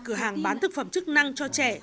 cửa hàng bán thức phẩm chức năng cho trẻ